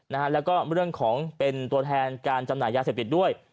แล้วก็เรื่องของเป็นตัวแทนการจำหน่ายยาเสพติดด้วย